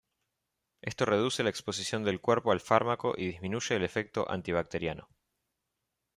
Esto reduce la exposición del cuerpo al fármaco y disminuye el efecto antibacteriano.